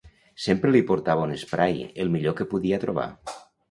Sempre li portava un esprai, el millor que podia trobar.